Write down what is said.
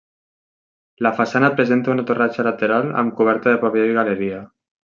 La façana presenta una torratxa lateral amb coberta de pavelló i galeria.